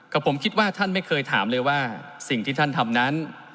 ผมคิดว่าท่านไม่เคยถามเลยว่าสิ่งที่ท่านทำนั้น